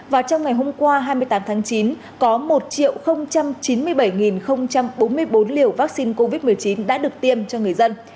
và trong ngày hôm qua hai mươi tám tháng chín có một chín mươi bảy bốn mươi bốn liều vaccine covid một mươi chín đã được tiêm cho người dân